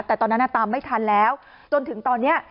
แต่ตอนนั้นตามไม่ทันแล้วจนถึงตอนนี้